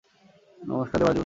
নমস্কার, দেবারাজু।